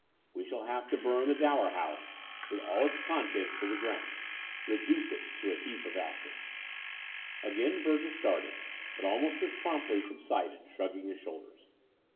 "We shall have to bum the Dower House with The Dower House 267 all its contents to the ground — ^reduce it to a heap of ashes." Again Burgess started, but almost as promptly subsided, shrugging his shoulders.